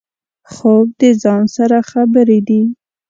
خوب د ځان سره خبرې دي